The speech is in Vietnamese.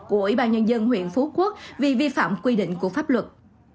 của ủy ban nhân dân huyện phú quốc vì vi phạm quy định của pháp luật